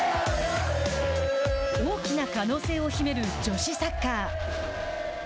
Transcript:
大きな可能性を秘める女子サッカー。